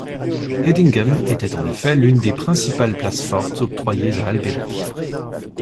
Hedingham était en effet l'une des principales places fortes octroyées à Albéric.